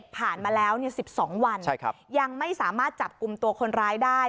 ผ่านมาแล้ว๑๒วันยังไม่สามารถจับกลุ่มตัวคนร้ายได้